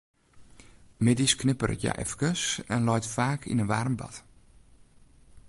Middeis knipperet hja efkes en leit faak yn in waarm bad.